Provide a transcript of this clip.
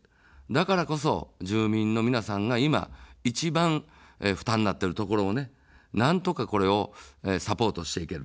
だからこそ、住民の皆さんが今、一番負担になっているところをなんとかこれをサポートしていける。